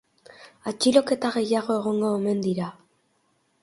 Atxiloketa gehiago egongo omen dira.